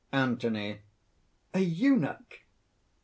ANTHONY. "A eunuch!"